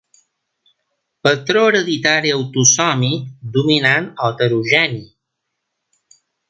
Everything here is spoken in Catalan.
Patró hereditari autosòmic dominant o heterogeni.